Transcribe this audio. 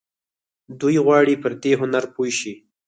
دوی غواړي پر دې هنر پوه شي.